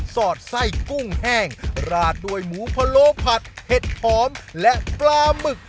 สอดไส้กุ้งแห้งราดด้วยหมูพะโลผัดเห็ดหอมและปลาหมึก